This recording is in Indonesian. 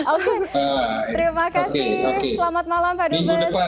oke terima kasih selamat malam pak dubes